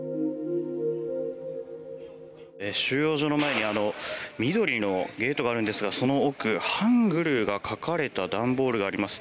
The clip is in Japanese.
収容所の前に緑のゲートがあるんですがその奥、ハングルが書かれた段ボールがあります。